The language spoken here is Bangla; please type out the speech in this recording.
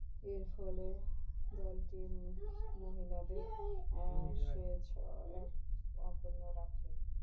এরফলে দলটি মহিলাদের অ্যাশেজ অক্ষুণ্ন রাখে।